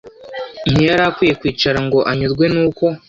Ntiyari akwiriye kwicara ngo anyurwe n’uko